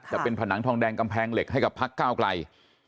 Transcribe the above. จะเป็นผนังทองแดงกำแพงเหล็กให้กับพักก้าวไกล